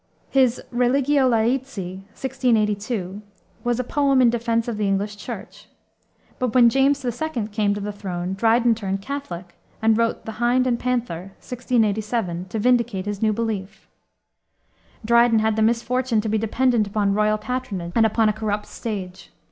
His Religio Laici, 1682, was a poem in defense of the English Church. But when James II. came to the throne Dryden turned Catholic and wrote the Hind and Panther, 1687, to vindicate his new belief. Dryden had the misfortune to be dependent upon royal patronage and upon a corrupt stage.